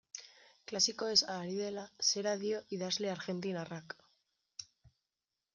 Klasikoez ari dela, zera dio idazle argentinarrak.